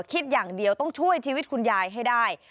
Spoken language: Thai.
คิดอย่างเดียวต้องช่วยชีวิตคุณยายให้ได้